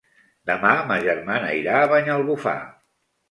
Demà ma germana irà a Banyalbufar.